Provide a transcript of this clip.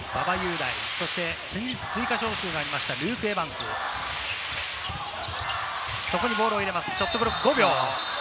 追加招集があったルーク・エヴァンス、そこにボールを入れます、ショットクロック５秒。